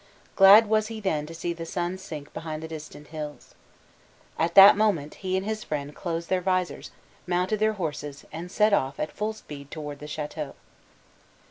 Glad was he then to see the sun sink behind the distant hills. At that moment he and his friend closed their visors, mounted their horses, and set off at full speed toward the chateau.